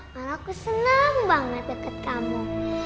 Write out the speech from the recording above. malah aku seneng banget deket kamu